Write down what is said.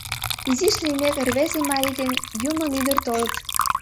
Изиш лиймек, рвезе марий ден юмын ӱдыр толыт.